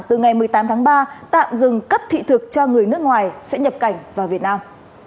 từ ngày một mươi tám tháng ba tạm dừng cấp thị thực cho người nước ngoài sẽ nhập cảnh vào việt nam